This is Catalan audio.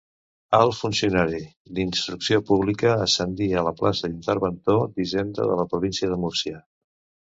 Alt funcionari d'Instrucció Pública, ascendí a la plaça d'interventor d'Hisenda de la província de Múrcia.